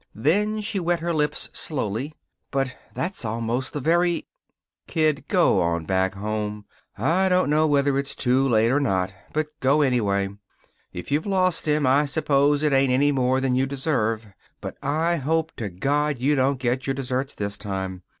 Then she wet her lips slowly. "But that's almost the very " "Kid, go on back home. I don't know whether it's too late or not, but go anyway. If you've lost him I suppose it ain't any more than you deserve; but I hope to God you don't get your deserts this time.